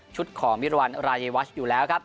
ของมิรวรรณรายวัชอยู่แล้วครับ